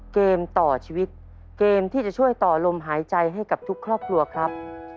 เกมต่อชีวิตเกมที่จะช่วยต่อลมหายใจให้กับทุกครอบครัวครับ